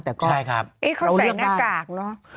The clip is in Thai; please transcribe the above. แต่ก็เราเลือกบ้างเขาใส่หน้ากากเนอะ